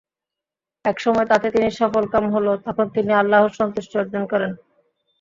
একসময় তাতে তিনি সফলকাম হন, তখন তিনি আল্লাহর সন্তুষ্টি অর্জন করেন।